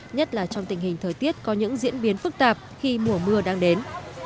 nhất là trong tình hình thời tiết có những diễn biến phức tạp khi mùa mưa đang đến